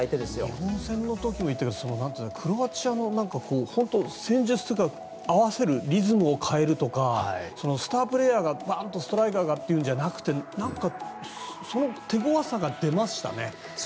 日本戦の時もだけどクロアチアの戦術というか合わせる、リズムを変えるとかスタープレーヤーがバンとストライカーがとかじゃなくてなんかその手ごわさが出ましたね。